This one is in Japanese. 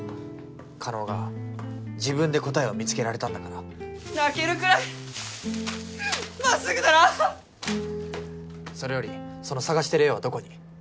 叶が自分で答えを見つけられたんだから泣けるくらいまっすぐだなそれよりその探してる絵はどこに？